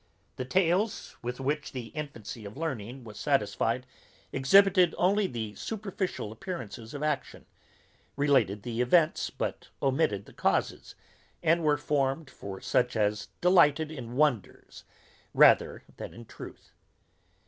The tales, with which the infancy of learning was satisfied, exhibited only the superficial appearances of action, related the events but omitted the causes, and were formed for such as delighted in wonders rather than in truth.